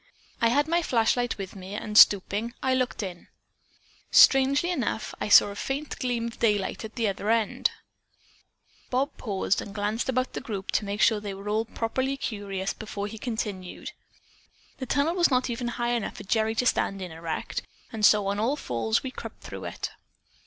I had my flashlight with me, and stooping, I looked in. Strangely enough, I saw a faint gleam of daylight at the other end." Bob paused and glanced about the group to make sure that they were all properly curious before he continued: "The tunnel was not high enough for even Gerry to stand in erect and so on all fours we crept through it.